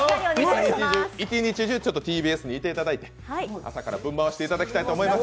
一日中ＴＢＳにいてただいて朝からぶん回していただきたいと思います。